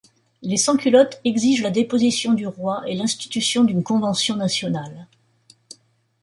Les sans-culottes exigent la déposition du roi et l'institution d'une Convention nationale.